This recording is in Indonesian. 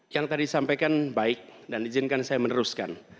yang tadi disampaikan baik dan izinkan saya meneruskan